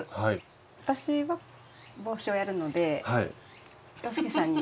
私は帽子をやるので洋輔さんに。